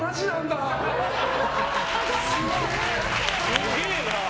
すげえな。